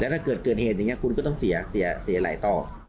ถ้าเกิดเกิดเหตุอย่างนี้คุณก็ต้องเสียหลายต่อ